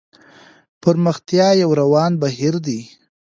پرمختيا يو روان بهير دی.